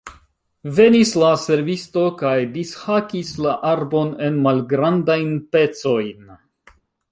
Venis la servisto kaj dishakis la arbon en malgrandajn pecojn.